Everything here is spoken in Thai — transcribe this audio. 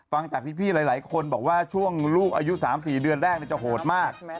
ฟังจากพี่หลายคนบอกว่าช่วงลูกอายุ๓๔เดือนแรกจะโหดมาก